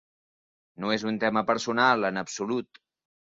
No és un tema personal, en absolut.